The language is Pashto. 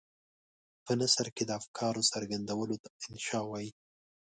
په نثر کې د افکارو څرګندولو ته انشأ وايي.